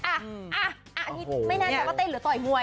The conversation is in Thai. ไม่แน่ใจว่าเต้นหรือต่อยหวย